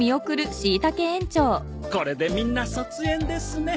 これでみんな卒園ですね。